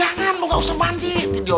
tidur diorang ngunggunya kelamaan lu